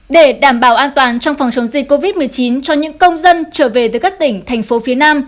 để đảm bảo an toàn trong phòng chống dịch covid một mươi chín cho những công dân trở về từ các tỉnh thành phố phía nam